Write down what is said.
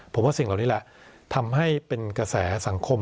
ผมว่าสิ่งเหล่านี้แหละทำให้เป็นกระแสสังคม